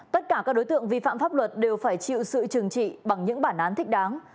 tất cả các đối tượng vi phạm pháp luật đều phải chịu sự trừng trị bằng những bản án thích đáng